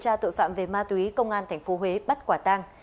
cơ quan điều tra tội phạm về ma túy công an tp huế bắt quả tang